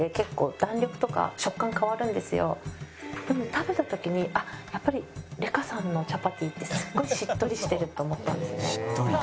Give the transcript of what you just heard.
食べた時にやっぱりレカさんのチャパティってすごいしっとりしてると思ったんですね。